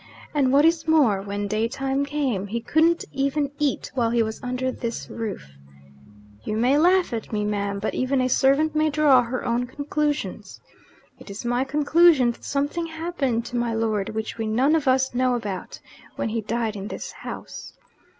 And what is more, when daytime came, he couldn't even eat while he was under this roof. You may laugh at me, ma'am but even a servant may draw her own conclusions. It's my conclusion that something happened to my lord, which we none of us know about, when he died in this house.